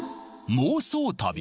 妄想旅？